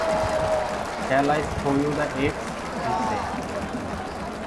“Shall I show you the eggs?” he said.